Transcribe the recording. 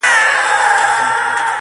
« لکه شمع په خندا کي مي ژړا ده !!